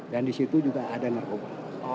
dan di situ juga ada narkoba